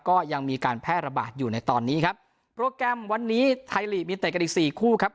ก็ยังมีการแพร่ระบาดอยู่ในตอนนี้ครับโปรแกรมวันนี้ไทยลีกมีเตะกันอีกสี่คู่ครับ